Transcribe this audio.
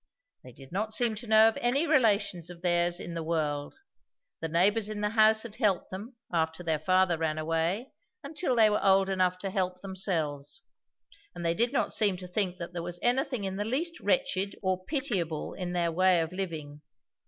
They did not seem to know of any relations of theirs in the world. The neighbors in the house had helped them, after their father ran away, until they were old enough to help themselves; and they did not seem to think there was anything in the least wretched or pitiable in their way of living.